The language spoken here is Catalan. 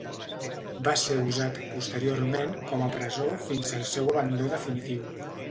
Va ser usat posteriorment com a presó fins al seu abandó definitiu.